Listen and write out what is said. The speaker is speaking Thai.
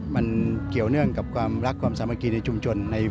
มันเกี่ยวเนื่องกับความรักความสามัคคีในชุมชน